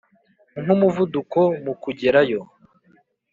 nkumuvuduko mukugerayo,